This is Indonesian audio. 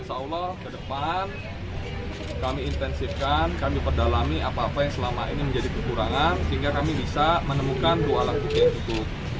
insya allah ke depan kami intensifkan kami perdalami apa apa yang selama ini menjadi kekurangan sehingga kami bisa menemukan dua alat bukti untuk